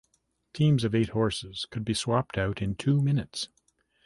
Teams of eight horses could be swapped out in two minutes.